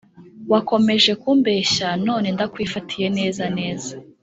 Wakomeje kumbeshya none ndakwifatiye neza neza